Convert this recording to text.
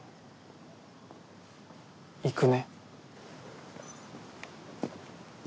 行くね。